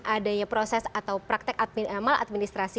adanya proses atau praktek maladministrasi